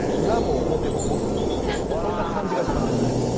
裏も表もボスみたいなそんな感じがしますよね。